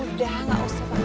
udah gak usah pak